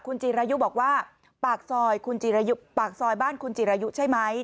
คุณจิรายุบอกว่าปากซอยบ้านคุณจิรายุใช่ไหม